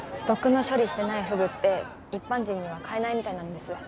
毒の処理してないフグって一般人には買えないみたいなんです。